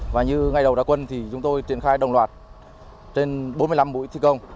và như ngày đầu ra quân thì chúng tôi triển khai đồng loạt trên bốn mươi năm mũi thi công